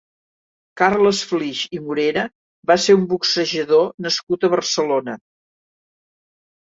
Carles Flix i Morera va ser un boxejador nascut a Barcelona.